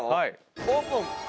オープン！